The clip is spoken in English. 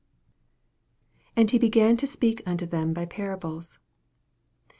1 And he began to speak unto them by parables.